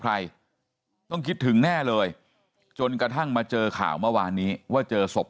ใครต้องคิดถึงแน่เลยจนกระทั่งมาเจอข่าวเมื่อวานนี้ว่าเจอศพ